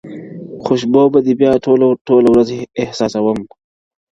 خوشبو به دې بيا ټوله ټوله ورځ احساسٶم